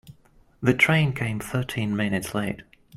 The train came thirteen minutes late.